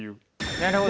なるほど。